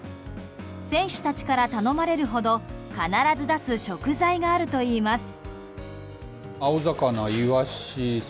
選手から頼まれるほど必ず出す食材があるといいます。